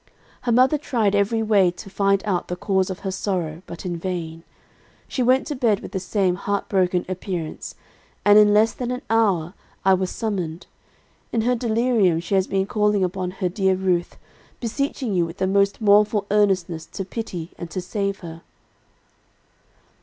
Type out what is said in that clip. "'Her mother tried every way to find out the cause of her sorrow; but in vain. She went to bed with the same heart broken appearance, and in less than an hour, I was summoned. In her delirium she has been calling upon her dear Ruth, beseeching you with the most mournful earnestness to pity and to save her.'